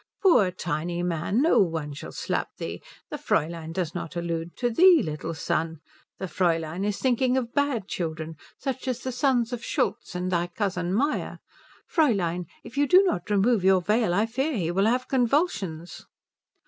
"Poor tiny man, no one shall slap thee. The Fräulein does not allude to thee, little son. The Fräulein is thinking of bad children such as the sons of Schultz and thy cousin Meyer. Fräulein, if you do not remove your veil I fear he will have convulsions."